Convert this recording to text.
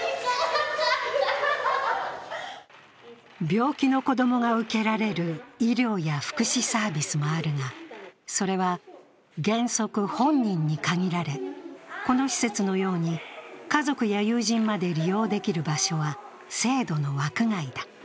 病気の子供が受けられる医療や福祉サービスもあるがそれは原則、本人に限られ、この施設のように家族や友人まで利用できる場所は制度の枠外だ。